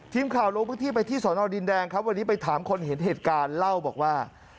ทีมข่าวลงพื้นที่ไปที่สอนอดินแดงครับวันนี้ไปถามคนเห็นเหตุการณ์เล่าบอกว่า